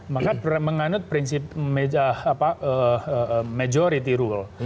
maka menganut prinsip majority rule